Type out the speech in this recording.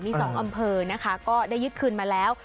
มี๒อำเภอนะคะก็ได้ยึดคืนมาแล้ว